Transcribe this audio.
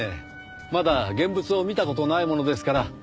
まだ現物を見た事ないものですからぜひ。